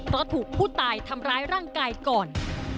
เพราะถูกผู้ตายทำร้ายร่างกายก่อน